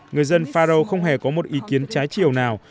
người dân faro không hề có một ý kiến trái chiều nào